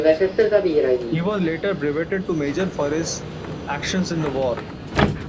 He was later breveted to major for his actions in the war.